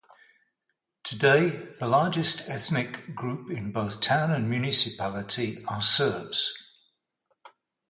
Today, the largest ethnic group in both town and municipality, are Serbs.